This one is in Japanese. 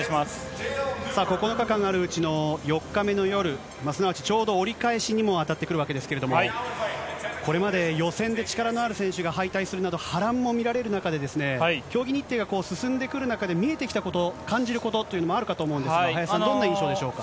９日間あるうちの４日目の夜、すなわち、ちょうど折り返しにもあたってくるわけなんですけれども、これまで予選で力のある選手が敗退するなど、波乱も見られる中で、競技日程が進んでくる中で、見えてきたこと、感じることというのもあるかと思うんですが、林さん、どんな印象でしょうか。